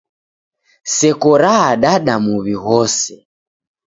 Seko raadada muw'i ghose.